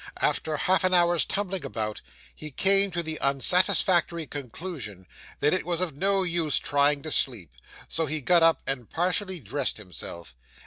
After half an hour's tumbling about, he came to the unsatisfactory conclusion, that it was of no use trying to sleep; so he got up and partially dressed himself.